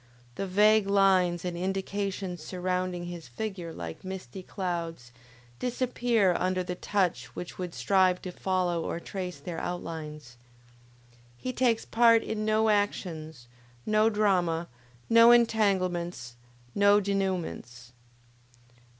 The vague lines and indications surrounding his figure like misty clouds, disappear under the touch which would strive to follow or trace their outlines. He takes part in no actions, no drama, no entanglements, no denouements.